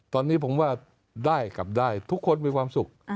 ตอนนี้ผมว่าได้กลับได้ทุกคนมีความสุข